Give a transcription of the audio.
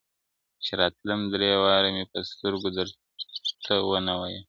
چي راتلم درې وار مي په سترگو درته ونه ويل,